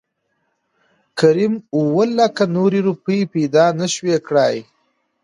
کريم اووه لکه نورې روپۍ پېدا نه شوى کړى .